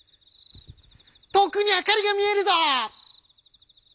「遠くに明かりが見えるぞ」。